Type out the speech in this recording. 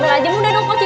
udah lajem udah lukasi